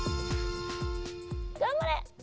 頑張れ！